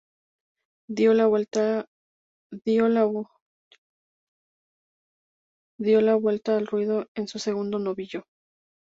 Dio la vuelta al ruedo en su segundo novillo.